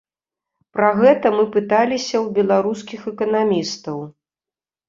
Пра гэта мы пыталіся ў беларускіх эканамістаў.